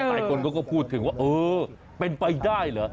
หลายคนเขาก็พูดถึงว่าเออเป็นไปได้เหรอ